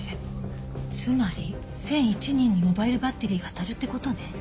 つまり１００１人にモバイルバッテリーが当たるって事ね。